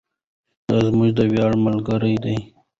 دا زموږ د ویاړ ملګرې ده.